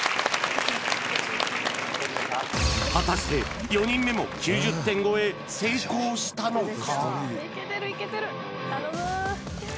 果たして４人目も９０点超え成功したのか？